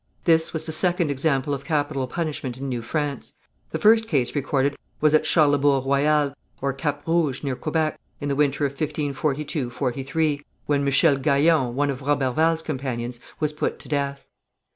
This was the second example of capital punishment in New France. The first case recorded was at Charlesbourg Royal, or Cap Rouge, near Quebec, in the winter of 1542 3, when Michel Gaillon, one of Roberval's companions, was put to death.